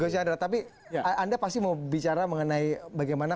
goss yadar tapi anda pasti mau bicara mengenai bagaimana